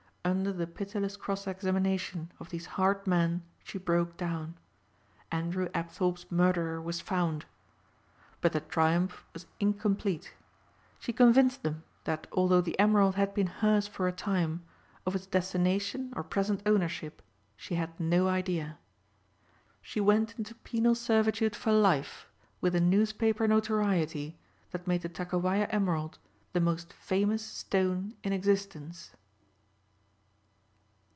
Under the pitiless cross examination of these hard men she broke down. Andrew Apthorpe's murderer was found. But the triumph was incomplete. She convinced them that although the emerald had been hers for a time, of its destination or present ownership she had no idea. She went into penal servitude for life with a newspaper notoriety that made the Takowaja emerald the most famous stone in existence.